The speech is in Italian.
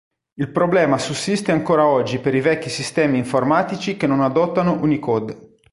Il problema sussiste ancora oggi per i vecchi sistemi informatici che non adottano Unicode.